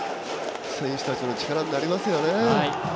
選手たちの力になりますよね。